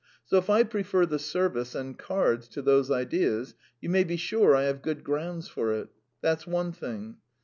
So if I prefer the service and cards to those ideas, you may be sure I have good grounds for it. That's one thing.